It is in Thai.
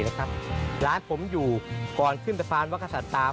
ไสมัยนี่มันจะช้าไม่ได้เลยเพราะช้าเสียทั้งที